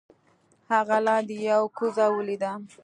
هغه لاندې یو کوزه ولیده.